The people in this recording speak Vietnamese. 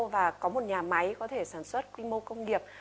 và có một nhà máy có thể sản xuất quy mô công nghiệp